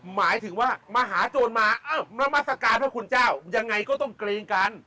หมายถึงว่ามหาโจรมานามัศกาลพระคุณเจ้ายังไงก็ต้องเกรงกัน